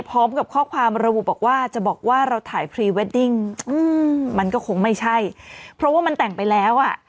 พร้อมกับข้อความระบุบอกว่าจะบอกว่าเราถ่ายพรีเวดดิ้งอืมมันก็คงไม่ใช่เพราะว่ามันแต่งไปแล้วอ่ะ